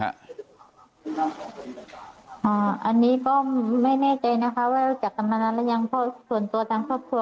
อันนี้ไม่แน่ใจนะคะว่าจากปรรมนั้นยังตัวส่วนตัวทางครอบครัว